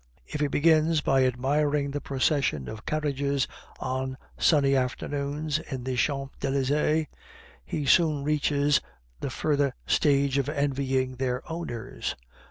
If he begins by admiring the procession of carriages on sunny afternoons in the Champs Elysees, he soon reaches the further stage of envying their owners.